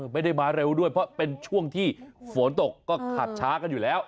ไม่ได้มาเร็วด้วยเพราะเป็นช่วงที่ฝนตกก็ขับช้ากันอยู่แล้ว